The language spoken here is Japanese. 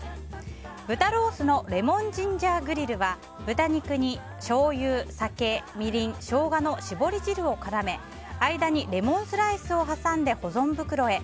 豚ロースのレモンジンジャーグリルは豚肉にしょうゆ、酒、みりんショウガの搾り汁を絡め間にレモンスライスを挟んで保存袋へ。